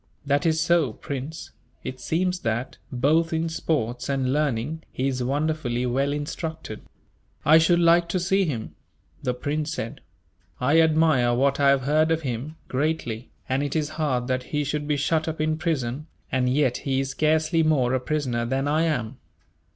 "That is so, Prince. It seems that, both in sports and learning, he is wonderfully well instructed." "I should like to see him," the prince said. "I admire what I have heard of him, greatly, and it is hard that he should be shut up in prison; and yet he is scarcely more a prisoner than I am."